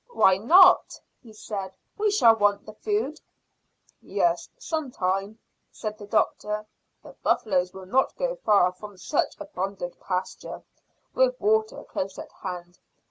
"Why not?" he said. "We shall want the food." "Yes, sometime," said the doctor. "The buffaloes will not go far from such abundant pasture, with water close at hand.